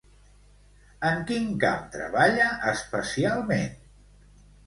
En quin camp treballa especialment?